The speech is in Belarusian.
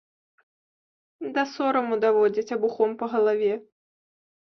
Да сораму даводзяць, абухом па галаве.